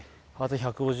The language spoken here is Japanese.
１５０？